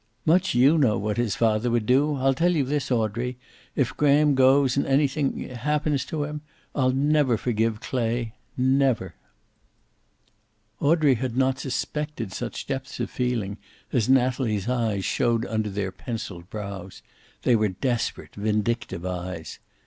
"Much you know what his father would do! I'll tell you this, Audrey. If Graham goes, and anything happens to him, I'll never forgive Clay. Never." Audrey had not suspected such depths of feeling as Natalie's eyes showed under their penciled brows. They were desperate, vindictive eyes.